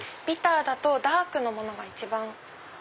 ビターだとダークのものが一番。